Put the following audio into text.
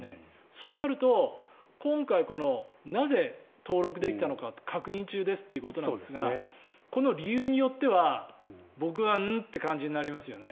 そうなると今回、なぜ登録できたのか確認中ですということなんですがこの理由によっては僕はん？って感じになりますよね。